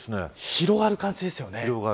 広がる感じですよね。